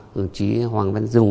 đồng chí hoàng văn dung